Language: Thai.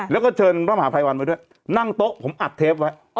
แล้วก็เชิญพระมหาภัยวันมาด้วยนั่งโต๊ะผมอัดเทปไว้